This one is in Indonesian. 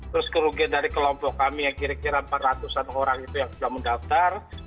terus kerugian dari kelompok kami yang kira kira empat ratus an orang itu yang sudah mendaftar